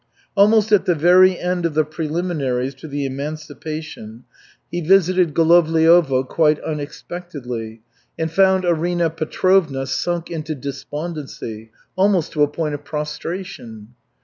Almost at the very end of the preliminaries to the emancipation, he visited Golovliovo quite unexpectedly and found Arina Petrovna sunk into despondency, almost to a point of prostration.